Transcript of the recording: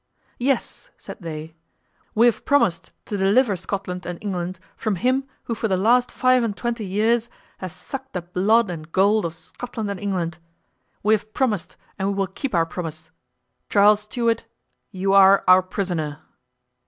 "Yes," said they, "we have promised to deliver Scotland and England from him who for the last five and twenty years has sucked the blood and gold of Scotland and England. We have promised and we will keep our promise. Charles Stuart, you are our prisoner."